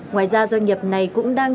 ngoài ra doanh nghiệp này cũng đang